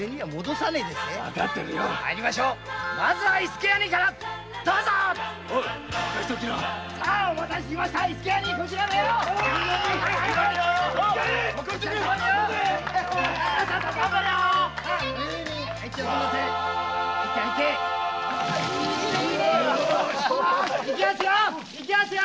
さいきますよ。